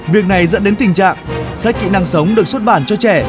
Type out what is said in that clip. việc này dẫn đến tình trạng sách kỹ năng sống được xuất bản cho trẻ